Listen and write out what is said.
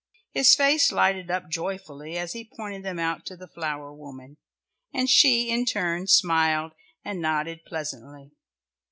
His face lighted up joyfully, as he pointed them out to the flower woman, and she, in turn, smiled and nodded pleasantly.